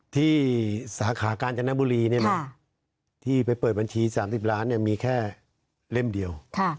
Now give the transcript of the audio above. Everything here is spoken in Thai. ที่สาขากาญจนบุรีที่ไปเปิดบัญชี๓๐ล้านมีแค่เล่มเดียว